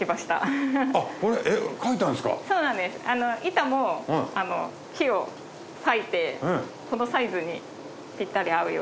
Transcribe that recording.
板も木を割いてこのサイズにピッタリ合うように。